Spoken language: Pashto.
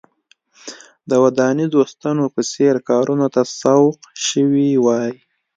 د ودانیزو ستنو په څېر کارونو ته سوق شوي وای.